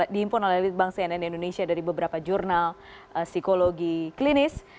diimpun oleh litbang cnn indonesia dari beberapa jurnal psikologi klinis